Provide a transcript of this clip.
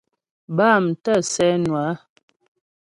Bâm tə̂ sɛ́ nwə á.